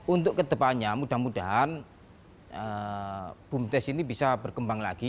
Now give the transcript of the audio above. untuk kedepannya mudah mudahan bumdes ini bisa berkembang lagi